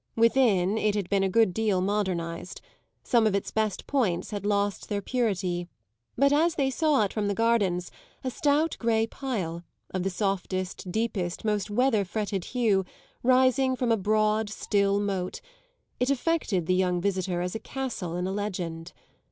Within, it had been a good deal modernised some of its best points had lost their purity; but as they saw it from the gardens, a stout grey pile, of the softest, deepest, most weather fretted hue, rising from a broad, still moat, it affected the young visitor as a castle in a legend.